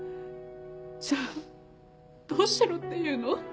じゃあどうしろっていうの？